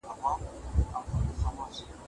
د شرم له امله یې ښه فرصت له لاسه ورکړ.